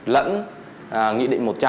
lẫn nghị định một trăm linh